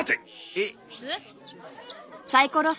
えっ。